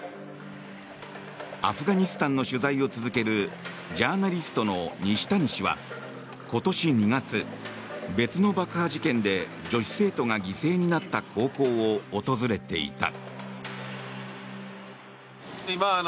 アフガニスタンの取材を続けるジャーナリストの西谷氏は今年２月、別の爆破事件で女子生徒が犠牲になった高校を訪れていた。